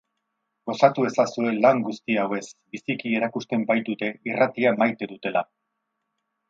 Gozatu ezazue lan guzti hauez, biziki erakusten baitute irratia maite dutela.